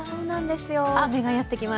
雨がやってきます。